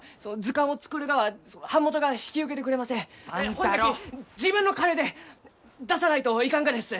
ほんじゃき自分の金で出さないといかんがです！